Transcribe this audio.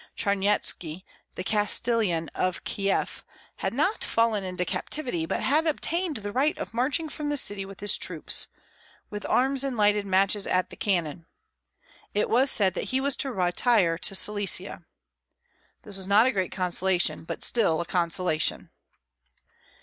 Charnyetski, the castellan of Kieff, had not fallen into captivity, but had obtained the right of marching from the city with his troops, with arms and lighted matches at the cannon. It was said that he was to retire to Silesia. This was not a great consolation, but still a consolation.